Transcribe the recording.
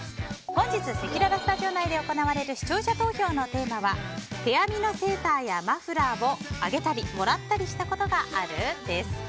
本日せきららスタジオ内で行われる視聴者投票のテーマは手編みのセーターやマフラーをあげたりもらったりしたことがある？です。